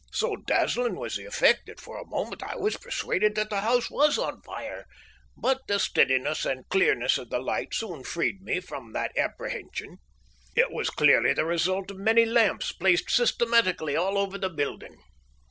So dazzling was the effect that for a moment I was persuaded that the house was on fire, but the steadiness and clearness of the light soon freed me from that apprehension. It was clearly the result of many lamps placed systematically all over the building.